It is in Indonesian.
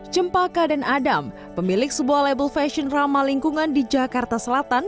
cempaka dan adam pemilik sebuah label fashion ramah lingkungan di jakarta selatan